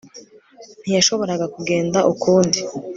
Ntiyashoboraga kugenda ukundi